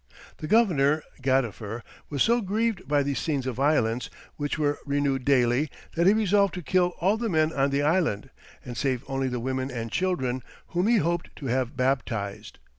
The governor (Gadifer) was so grieved by these scenes of violence, which were renewed daily, that he resolved to kill all the men on the island, and save only the women and children, whom he hoped to have baptized.